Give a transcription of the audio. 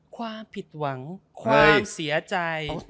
ความผิดหวังความเสียใจ